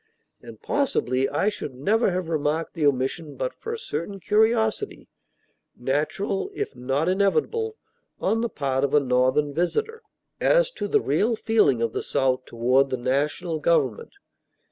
And possibly I should never have remarked the omission but for a certain curiosity, natural, if not inevitable, on the part of a Northern visitor, as to the real feeling of the South toward the national government.